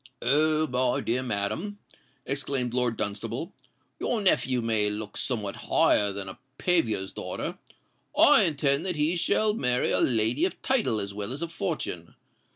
"Oh! my dear madam," exclaimed Lord Dunstable, "your nephew may look somewhat higher than a paviour's daughter. I intend that he shall marry a lady of title as well as of fortune.